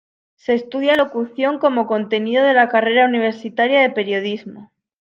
Se estudia locución como contenido de la carrera universitaria de Periodismo.